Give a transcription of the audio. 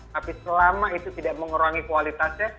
tapi selama itu tidak mengurangi kualitasnya